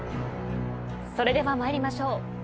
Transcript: それでは参りましょう。